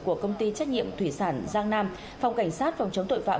của công ty trách nhiệm thủy sản giang nam phòng cảnh sát phòng chống tội phạm